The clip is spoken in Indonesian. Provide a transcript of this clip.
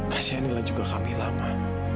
kasihanilah juga kamilah ma